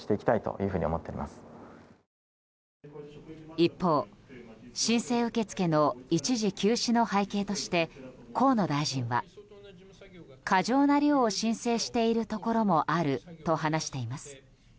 一方、申請受け付けの一時休止の背景として河野大臣は、過剰な量を申請しているところもあると話しています。